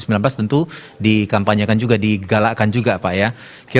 tentu dikampanyekan juga digalakkan juga pak ya